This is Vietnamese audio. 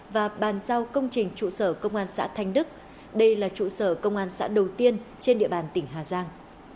và bàn giao công trình trụ sở công an xã thanh đức đây là trụ sở công an xã đầu tiên trên địa bàn tỉnh hà giang